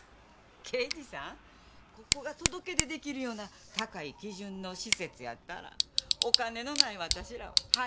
刑事さんここが届け出出来るような高い基準の施設やったらお金のない私らは入れてませんわ。